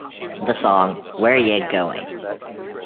The song, Where Ya Going?